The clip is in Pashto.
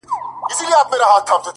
ستا غمونه مي د فكر مېلمانه سي-